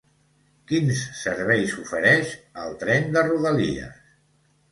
Quins serveis ofereix el tren de rodalies?